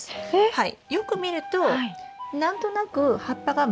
はい。